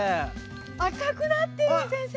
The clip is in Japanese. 赤くなってる先生！